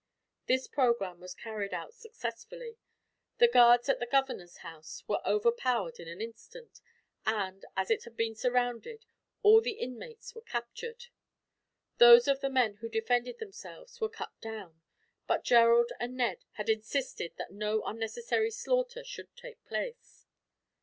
This programme was carried out successfully. The guards at the governor's house were overpowered in an instant and, as it had been surrounded, all the inmates were captured. Those of the men who defended themselves were cut down, but Gerald and Ned had insisted that no unnecessary slaughter should take place.